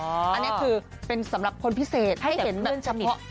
อันเนี่ยคือเป็นสำหรับคนพิเศษให้เห็นแบบเพื่อนสนิท